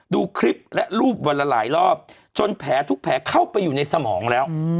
ดูคลิปและรูปวันละหลายรอบจนแผลทุกแผลเข้าไปอยู่ในสมองแล้ว